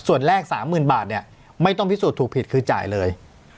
ส่วนแรก๓๐๐๐บาทเนี่ยไม่ต้องพิสูจน์ถูกผิดคือจ่ายเลย